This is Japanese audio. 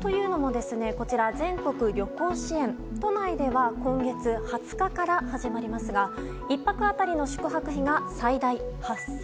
というのも、全国旅行支援都内では今月２０日から始まりますが１泊当たりの宿泊費が最大８０００円。